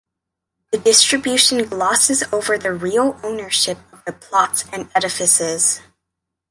The distribution glosses over the real ownership of the plots and edifices.